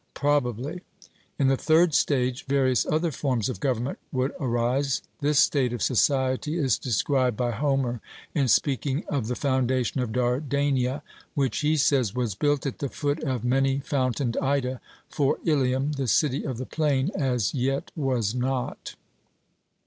'Probably.' In the third stage various other forms of government would arise. This state of society is described by Homer in speaking of the foundation of Dardania, which, he says, 'was built at the foot of many fountained Ida, for Ilium, the city of the plain, as yet was not.'